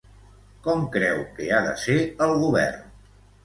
Com creu que ha de ser el govern?